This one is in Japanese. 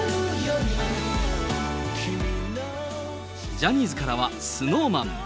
ジャニーズからはＳｎｏｗＭａｎ。